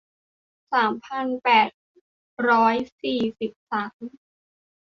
สามพันแปดร้อยสี่สิบสาม